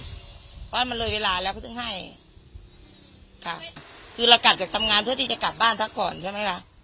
เพราะว่ามันเลยเวลาแล้วเขาถึงให้ค่ะคือเรากลับจากทำงานเพื่อที่จะกลับบ้านซะก่อนใช่ไหมคะ